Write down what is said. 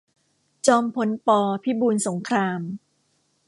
จอมพล ป. พิบูลสงคราม